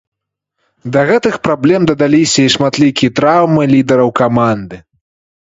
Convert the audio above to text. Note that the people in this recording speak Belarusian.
Да гэтых праблем дадаліся і шматлікія траўмы лідараў каманды.